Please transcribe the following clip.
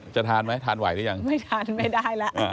จะทานไหมทานไหวหรือยังไม่ทานไม่ได้แล้ว